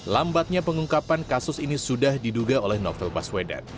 lambatnya pengungkapan kasus ini sudah diduga oleh novel baswedan